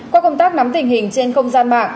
qua công tác nắm tình hình trên không gian mạng